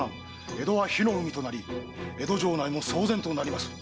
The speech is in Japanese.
江戸は火の海となり江戸城内も騒然となります。